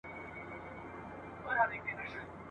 یو د بل په ژبه پوه مي ننګرهار او کندهار کې ..